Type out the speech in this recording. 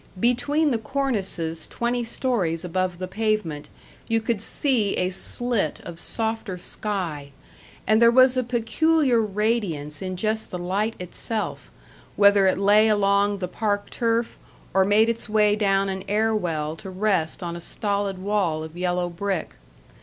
Between the cornices twenty stories above the pavement you could see a slit of softer sky, and there was a peculiar radiance in just the light itself, whether it lay along the park turf or made its way down an air well to rest on a stolid wall of yellow brick.